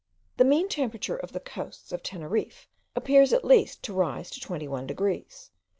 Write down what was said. The mean temperature of the coasts of Teneriffe appears at least to rise to twenty one degrees (16.